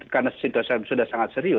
karena situasi sudah sangat serius